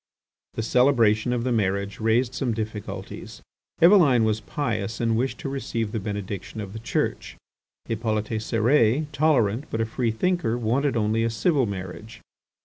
The celebration of the marriage raised some difficulties. Eveline was pious and wished to receive the benediction of the Church. Hippolyte Cérès, tolerant but a free thinker, wanted only a civil marriage.